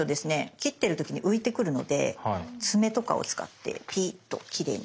切ってる時に浮いてくるので爪とかを使ってピーッときれいに。